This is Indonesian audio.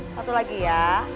satu lagi ya